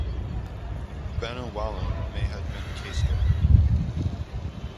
"Banovallum" may have been Caistor.